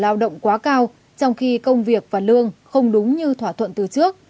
lao động quá cao trong khi công việc và lương không đúng như thỏa thuận từ trước